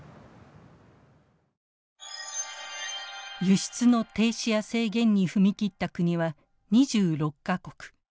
輸出の停止や制限に踏み切った国は２６か国。